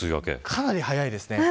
かなり早いですね。